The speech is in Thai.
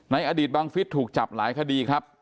อดีตบังฟิศถูกจับหลายคดีครับ